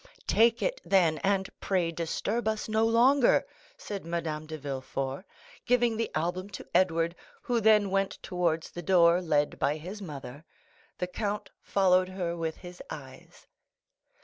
"Take it, then, and pray disturb us no longer," said Madame de Villefort, giving the album to Edward, who then went towards the door, led by his mother. The count followed her with his eyes.